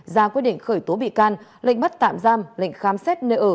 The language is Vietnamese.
ra quyết định khởi tố bị can lệnh bắt tạm giam lệnh khám xét nơi ở